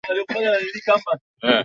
Nieleze kuhusu majibu yako